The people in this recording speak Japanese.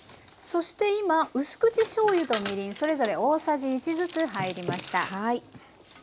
そして今うす口しょうゆとみりんそれぞれ大さじ１ずつ入りました。